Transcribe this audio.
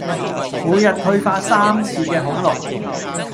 每日退化三次嘅恐龍